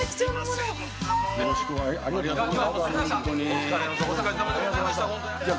お疲れさまでございました。